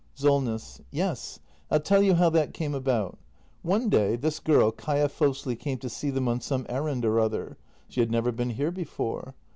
Solness. Yes, I'll tell you how that came about. One day this girl, Kaia Fosli, came to see them on some errand or other. She had never been here before.